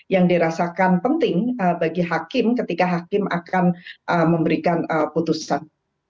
yang dirasakan penting bagi hakim ketika hakim akan memberikan putusan